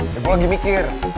ya gue lagi mikir